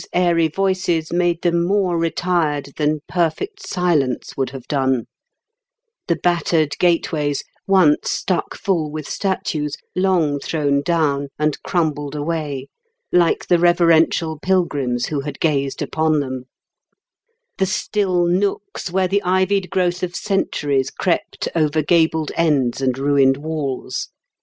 airy voices made them more retired than perfect silence would have done ; the battered gateways, once stuck full with statues, long thrown down and crumbled away, like the reverential pilgrims who had gazed upon them ; the still nooks where the ivied growth of centuries crept over gabled ends and ruined walls."